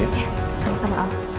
thank you siap